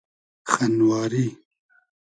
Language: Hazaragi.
خئنواری